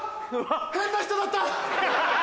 変な人だった！